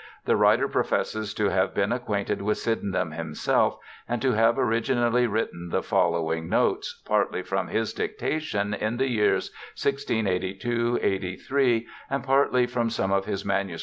The writer professes to have been acquainted with Sydenham himself, and to have originally written the following Notes, partly from his dictation in the years 1682, 1683, and partly from some of his MSS.